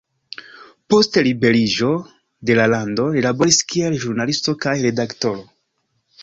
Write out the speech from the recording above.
Post liberiĝo de la lando li laboris kiel ĵurnalisto kaj redaktoro.